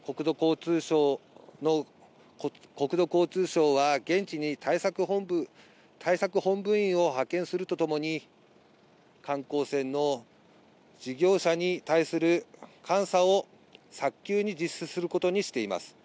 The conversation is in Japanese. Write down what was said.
国土交通省は現地に対策本部員を派遣するとともに観光船の事業者に対する監査を早急に実施することにしています。